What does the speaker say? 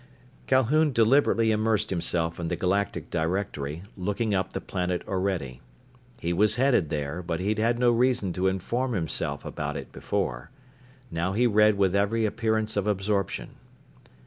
Calhoun deliberately immersed himself in the Galactic Directory, looking up the planet Orede. He was headed there, but he'd had no reason to inform himself about it before. Now he read with every appearance of absorption.